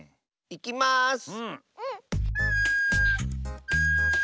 いきます。